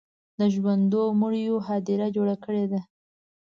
د ژوندو مړیو هدیره جوړه کړې ده.